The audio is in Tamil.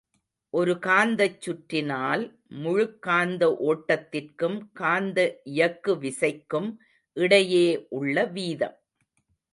ஒரு காந்தச் சுற்றினால் முழுக்காந்த ஓட்டத்திற்கும் காந்த இயக்கு விசைக்கும் இடையே உள்ள வீதம்.